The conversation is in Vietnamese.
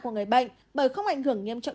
của người bệnh bởi không ảnh hưởng nghiêm trọng